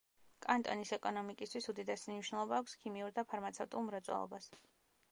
კანტონის ეკონომიკისთვის უდიდესი მნიშვნელობა აქვს ქიმიურ და ფარმაცევტულ მრეწველობას.